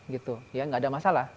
gak ada masalah